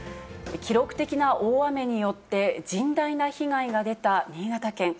記録的な大雨によって、甚大な被害が出た新潟県。